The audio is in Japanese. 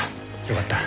よかった。